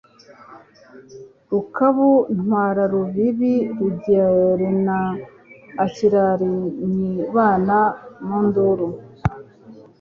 Rukabu ntwara Rubibi rugerna ikirariNyibana mu nduru